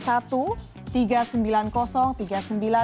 jadi bisa anda cek di nomor saja ke komnas perempuan